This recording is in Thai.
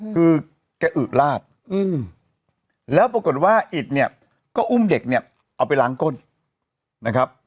คือแกอึลาดแล้วปรากฏว่าอิตเนี่ยก็อุ้มเด็กเนี่ยเอาไปล้างก้นนะครับ